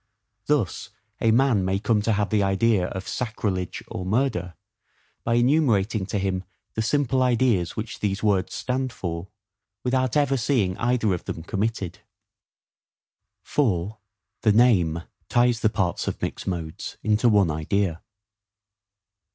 Thus a man may come to have the idea of SACRILEGE or MURDER, by enumerating to him the simple ideas which these words stand for; without ever seeing either of them committed. 4. The Name ties the Parts of mixed Modes into one Idea.